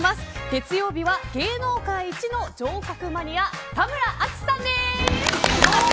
月曜日は芸能界一の城郭マニア、田村淳さんです。